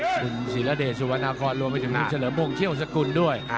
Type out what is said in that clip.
คุณศิรดิสุวรรณครรวมไปถึงวิทยาละมงค์เชี่ยวสกุลด้วย